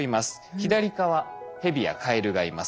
左側ヘビやカエルがいます。